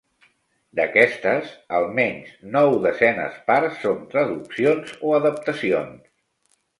D'aquestes, almenys nou desenes parts són traduccions o adaptacions.